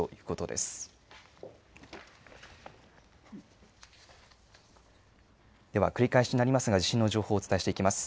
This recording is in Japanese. では、繰り返しになりますが、地震の情報をお伝えしていきます。